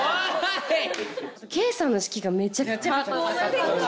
圭さんの指揮がめちゃくちゃカッコ良かったです。